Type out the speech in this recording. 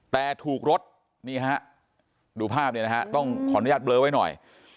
แต่ถูกรถนี่ฮะดูภาพเนี่ยนะฮะต้องขออนุญาตเบลอไว้หน่อย